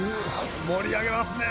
盛り上げますね。